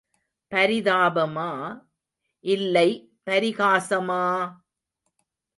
பரிதாபமா, இல்லை பரிகாசமா!